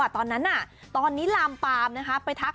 ตอนนั้นตอนนี้ลามปามไปทัก